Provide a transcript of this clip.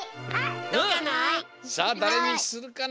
どうかな？